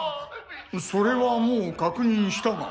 それはもう確認したが。